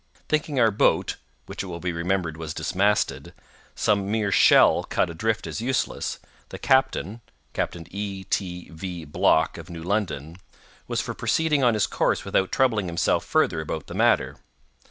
Thinking our boat (which it will be remembered was dismasted) some mere shell cut adrift as useless, the captain (Captain E. T. V. Block, of New London) was for proceeding on his course without troubling himself further about the matter.